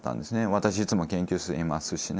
私いつも研究室にいますしね。